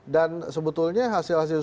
dan sebetulnya hal hal tersebut yang terjadi